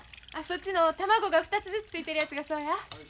そっちの卵が２つずつついてるやつがそうや。